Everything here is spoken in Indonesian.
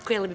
oh ini dia